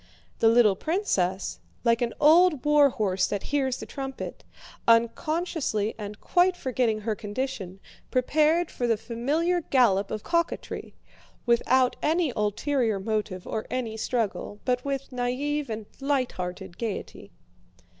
The little princess, like an old war horse that hears the trumpet, unconsciously and quite forgetting her condition, prepared for the familiar gallop of coquetry, without any ulterior motive or any struggle, but with naïve and lighthearted gaiety.